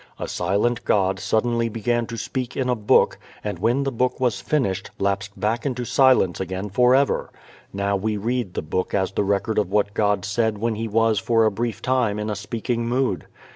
A silent God suddenly began to speak in a book and when the book was finished lapsed back into silence again forever. Now we read the book as the record of what God said when He was for a brief time in a speaking mood.